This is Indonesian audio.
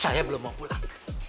saya belum mau pulang